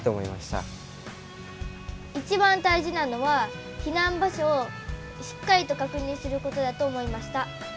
一番大事なのは避難場所をしっかりと確認することだと思いました。